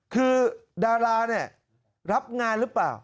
คือดารารับงานหรือเปล่า